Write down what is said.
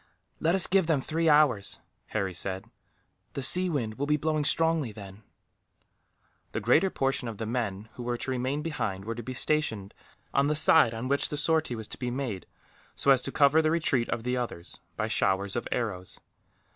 "Let us give them three hours," Harry said, "the sea wind will be blowing strongly, then." The greater portion of the men who were to remain behind were to be stationed on the side on which the sortie was to be made, so as to cover the retreat of the others, by showers of arrows.